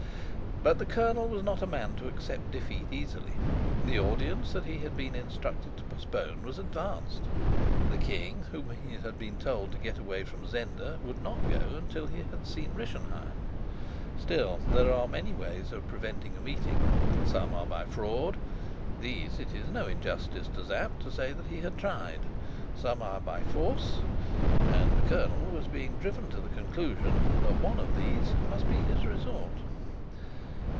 But the colonel was not a man to accept defeat easily. The audience that he had been instructed to postpone was advanced; the king, whom he had been told to get away from Zenda, would not go till he had seen Rischenheim. Still there are many ways of preventing a meeting. Some are by fraud; these it is no injustice to Sapt to say that he had tried; some are by force, and the colonel was being driven to the conclusion that one of these must be his resort.